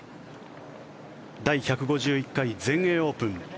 第１５１回全英オープン。